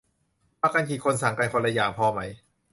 มากันกี่คน สั่งกันคนละอย่าง พอไหม